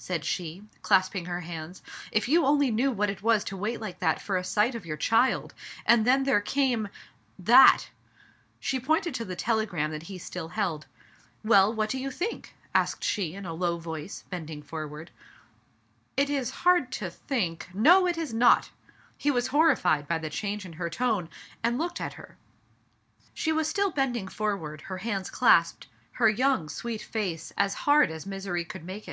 said she, clasping her hands, if you only knew what it was to wait like that for a sight of your child ! and then there came — that !" She pointed to the telegram that he still held. "Well, what do you think?" asked she in a low voice, bending for ward. "It is hard to think " •*No, it is not!" He was horrified by the change in her tone, and looked at her. She was still bending forward, her hands clasped, her young, sweet fage s^s hc^rcj as misery could mak^ Digitized by Google 1 84 THE FATE OF FEN ELLA.